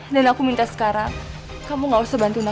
dan aku minta sekarang kamu nggak usah bantuin aku lagi